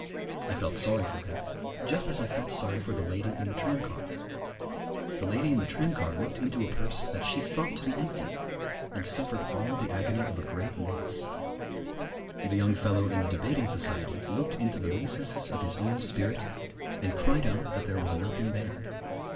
I felt sorry for him, just as I felt sorry for the lady in the tramcar. The lady in the tramcar looked into a purse that she thought to be empty, and suffered all the agony of a great loss. The young fellow in the debating society looked into the recesses of his own spirit, and cried out that there was nothing there.